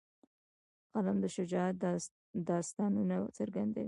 قلم د شجاعت داستانونه څرګندوي